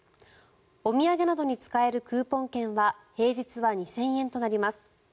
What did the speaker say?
お土産などに使えるクーポン券は平日は２０００円となります。